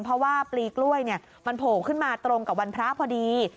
เพราะว่าปลีกล้วยมันโผล่ขึ้นมาตรงกับวันพระพอดี